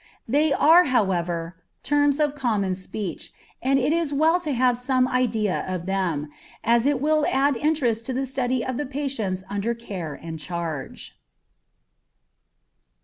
They are, however, terms of common speech, and it is well to have some idea of them, as it will add interest to the study of the patients under care and charge.